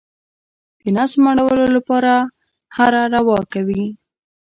د نس مړولو لپاره هره روا کوي.